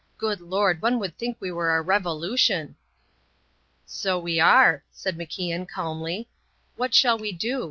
"Good Lord, one would think we were a Revolution." "So we are," said MacIan calmly. "What shall we do?